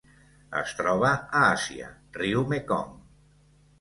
Es troba a Àsia: riu Mekong.